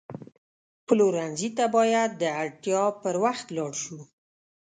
پلورنځي ته باید د اړتیا پر وخت لاړ شو.